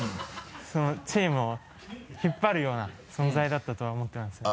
チームを引っ張るような存在だったとは思ってますね。